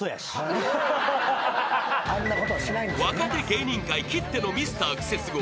［若手芸人界きってのミスタークセスゴ］